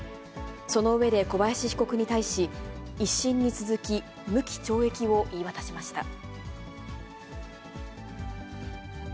その上で小林被告に対し、１審に続き、無期懲役を言い渡しました。